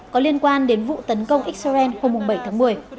có liên quan đến vụ tấn công israel hôm bảy tháng một mươi